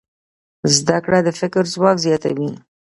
زده کړه د فکر ځواک زیاتوي.